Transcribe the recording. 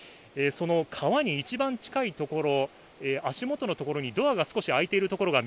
川に一番近いところ、足元のところにドアが少し開いているところが